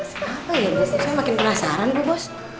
apa ini sih saya makin penasaran bu bos